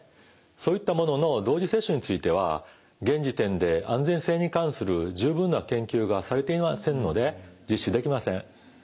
そういったものの同時接種については現時点で安全性に関する十分な研究がされていませんので実施できません。